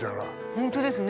本当ですね。